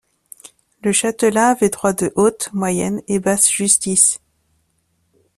Le châtelain avait droit de haute, moyenne et basse justice.